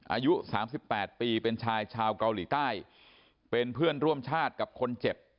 อายุ๓๘ปีเป็นชายชาวเกาหลีใต้เป็นเพื่อนร่วมชาติกับคนเจ็บ